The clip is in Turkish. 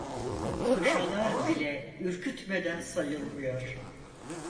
Paşalar bile ürkütmeden sayılmıyor.